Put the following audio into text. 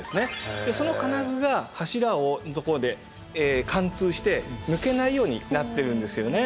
でその金具が柱のところで貫通して抜けないようになってるんですよね。